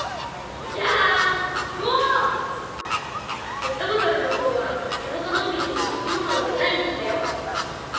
ペットボトルの方は地元の海に住む生き物のデザインにしたよ。